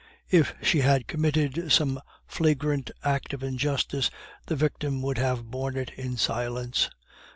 If she had committed some flagrant act of injustice, the victim would have borne it in silence.